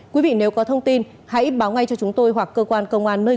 quý vị nếu có thông tin hãy báo ngay cho chúng tôi hoặc cơ quan công an nơi gần